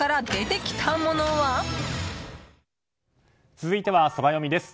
続いてはソラよみです。